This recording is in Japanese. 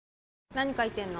何書いてんの？